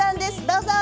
どうぞ！